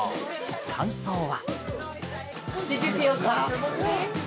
感想は。